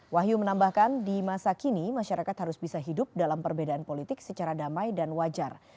wahyu menambahkan di masa kini masyarakat harus bisa hidup dalam perbedaan politik secara damai dan wajar